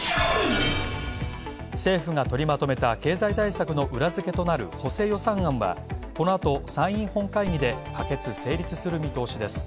政府が取りまとめた経済対策の裏付けとなる補正予算はこの後参院本会議で可決、成立する見通しです。